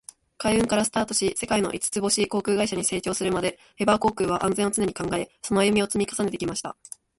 海運からスタートし、世界の五つ星航空会社に成長するまで、エバー航空は「安全」を常に考え、その歩みを積み重ねてきました。